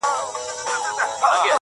بېغمه غمه د هغې راته راوبهيدې”